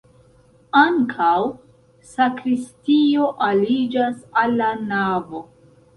Ankaŭ sakristio aliĝas al la navo.